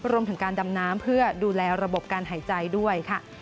รวมถึงการดำน้ำเพื่อดูแลระบบการหายใจด้วยค่ะ